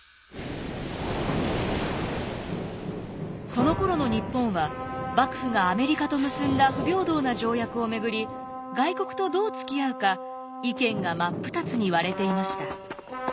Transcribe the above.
そのころの日本は幕府がアメリカと結んだ不平等な条約をめぐり外国とどうつきあうか意見が真っ二つに割れていました。